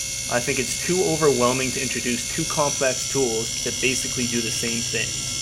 I think it’s too overwhelming to introduce two complex tools that basically do the same things.